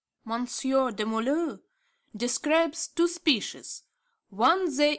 Monsieur Desmoulins describes two species, one the _H.